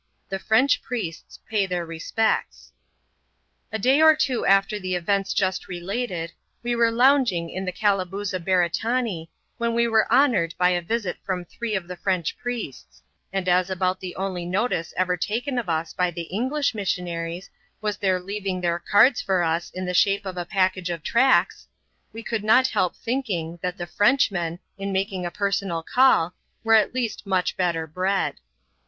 The French Priests pay theur Respects* A DAT or two after the events just related, we were lounging in the Calabooza Beretanee, when we were honoured by a visit from three of the French priests ; and as about the only notice ever taken of us by the English missionaries, was their leaving their cards for us in the shape of a package of tracts, we could not help thinking, that the Frenchmen, in making a personal call, were at least much better bred.